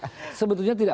dibantu sebetulnya tidak